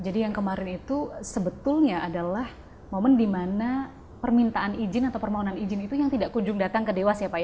jadi yang kemarin itu sebetulnya adalah momen dimana permintaan izin atau permohonan izin itu yang tidak kunjung datang ke dewas ya pak ya